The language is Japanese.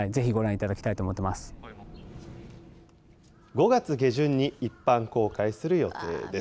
５月下旬に一般公開する予定です。